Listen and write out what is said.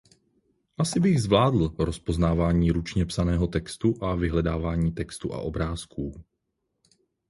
Asi bych zvládl rozpoznávání ručně psaného textu a vyhledávání textu a obrázků.